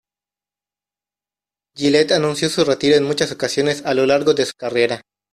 Gillette anunció su retiro en muchas ocasiones a lo largo de su carrera.